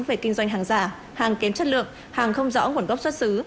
về kinh doanh hàng giả hàng kém chất lượng hàng không rõ nguồn gốc xuất xứ